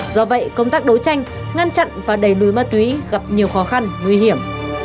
do vậy công tác đấu tranh ngăn chặn và đẩy lùi ma túy gặp nhiều khó khăn nguy hiểm